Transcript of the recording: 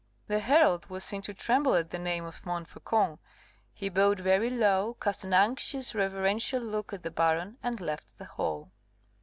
The herald was seen to tremble at the name of Montfaucon; he bowed very low, cast an anxious, reverential look at the baron, and left the hall.